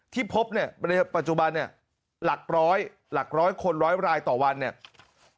ที่พบเนี่ยในปัจจุบันเนี่ยหลักร้อยหลักร้อยคนร้อยรายต่อวันเนี่ย